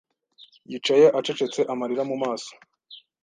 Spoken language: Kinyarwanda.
Yicaye acecetse amarira mu maso.